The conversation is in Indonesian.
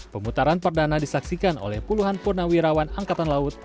pemutaran perdana disaksikan oleh puluhan purnawirawan angkatan laut